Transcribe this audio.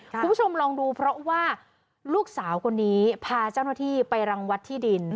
คุณผู้ชมลองดูเพราะว่าลูกสาวคนนี้พาเจ้าหน้าที่ไปรังวัดที่ดิน